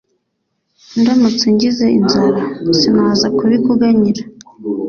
ndamutse ngize inzara, sinaza kubikuganyira